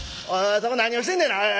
そこ何をしてんねんな。